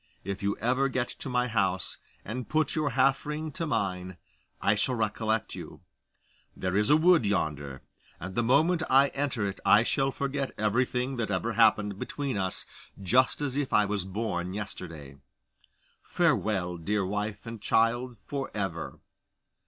If you ever get to my house, and put your half ring to mine, I shall recollect you. There is a wood yonder, and the moment I enter it I shall forget everything that ever happened between us, just as if I was born yesterday. Farewell, dear wife and child, for ever!